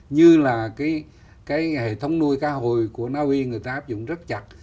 như là cái hệ thống nuôi cá hồi của navi người ta áp dụng rất chặt